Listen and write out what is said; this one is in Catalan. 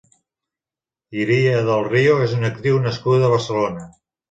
Iria del Río és una actriu nascuda a Barcelona.